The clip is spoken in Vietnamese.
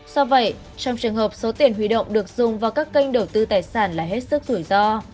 do vậy trong trường hợp số tiền huy động được dùng vào các kênh đầu tư tài sản là hết sức rủi ro